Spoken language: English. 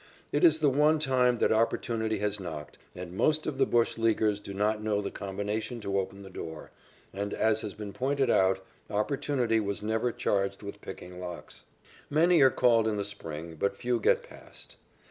It is the one time that opportunity has knocked, and most of the bush leaguers do not know the combination to open the door, and, as has been pointed out, opportunity was never charged with picking locks. Many are called in the spring, but few get past.